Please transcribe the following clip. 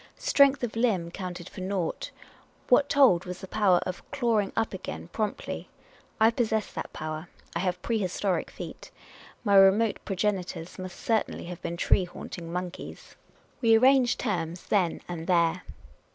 Strength of limb counted for naught ; what told was the power of "clawing up again" promptly. I possess that power ; I have prehistoric feet ; my remote pro genitors must certainly have been tree haunting monkeys. 78 Miss Caylcy's Adventures We arranged terms then and there.